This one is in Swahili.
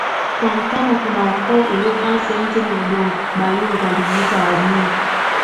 Kwa mfano kuna ukoo uliokaa sehemu zenye udongo Bayungu walijiita Wayungu